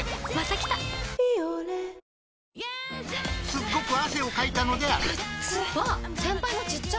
すっごく汗をかいたのであるあっつ。